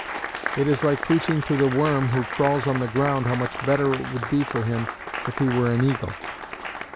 It is like preaching to the worm who crawls on the ground how much better it would be for him if he were an eagle.